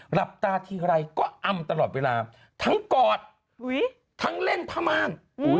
หลับตาทีไรก็อำตลอดเวลาทั้งกอดทั้งเล่นผ้าม่าน